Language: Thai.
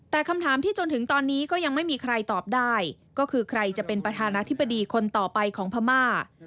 แต่คำถามที่จนถึงตอนนี้ก็ยังไม่มีใครตอบได้ก็คือใครจะเป็นประธานาธิบดีคนต่อไปของพม่า